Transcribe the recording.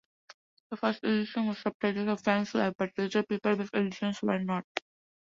The first edition was subtitled "A Fan's Life", but later paperback editions were not.